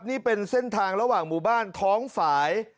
นี่เป็นเส้นทางระหว่างหมู่บ้านท้องฝ่าย